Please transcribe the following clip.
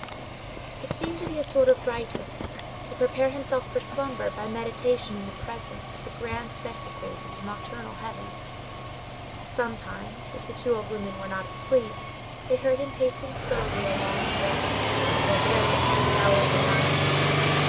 It seemed to be a sort of rite with him, to prepare himself for slumber by meditation in the presence of the grand spectacles of the nocturnal heavens. Sometimes, if the two old women were not asleep, they heard him pacing slowly along the walks at a very advanced hour of the night.